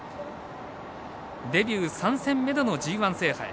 デビュー３戦目でのＧＩ制覇へ。